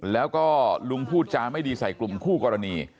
แล้วก็ลุงพูดจาไม่ดีใส่กลุ่มคู่กรณี